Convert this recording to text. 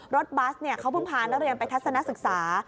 บัสเขาเพิ่งพานักเรียนไปทัศนศึกษา